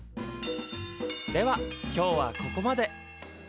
では今日はここまで。